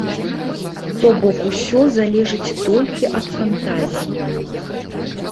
То бок усё залежыць толькі ад фантазіі.